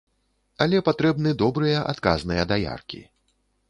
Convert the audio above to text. Але патрэбны добрыя адказныя даяркі.